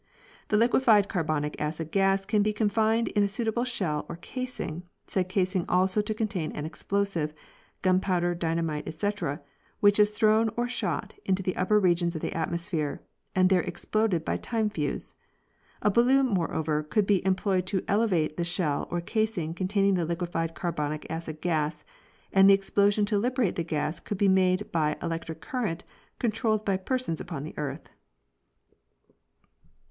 The liquefied carbonic acid gas can be confined in a suitable shell or casing, said casing also to contain an explosive—gunpowder, dynamite, etc—which is thrown or shot into the upper regions of the atmosphere and there exploded by a time fuse. A balloon, moreover, could be em ployed to elevate the shell or casing containing the liquefied carbonic acid gas, and the explosion to liberate the gas could be made by an elee tric current controlled by persons upon the earth.